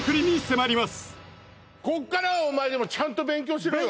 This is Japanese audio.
こっからはお前でもちゃんと勉強しろよ